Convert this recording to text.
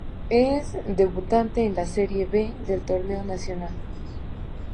Es debutante en la Serie B del torneo nacional.